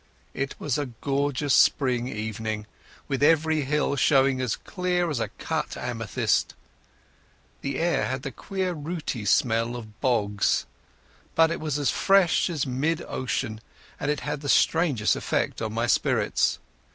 It was a gorgeous spring evening, with every hill showing as clear as a cut amethyst. The air had the queer, rooty smell of bogs, but it was as fresh as mid ocean, and it had the strangest effect on my spirits.